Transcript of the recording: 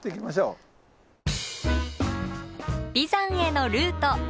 眉山へのルート。